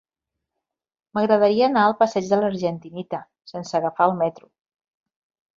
M'agradaria anar al passeig de l'Argentinita sense agafar el metro.